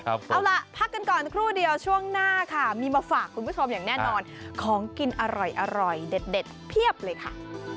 เอาล่ะพักกันก่อนครู่เดียวช่วงหน้าค่ะมีมาฝากคุณผู้ชมอย่างแน่นอนของกินอร่อยเด็ดเพียบเลยค่ะ